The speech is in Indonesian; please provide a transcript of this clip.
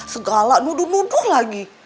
segala nuduh nuduh lagi